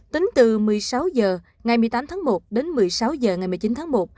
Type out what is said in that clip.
tính từ một mươi sáu h ngày một mươi tám tháng một đến một mươi sáu h ngày một mươi chín tháng một